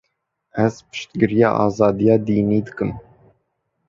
Ez piştgiriya azadiya dînî dikim.